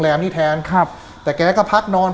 บางคนก็สันนิฐฐานว่าแกโดนคนติดยาน่ะ